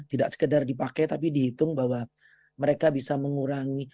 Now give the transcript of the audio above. tidak sekedar dipakai tapi dihitung bahwa mereka bisa mengurangi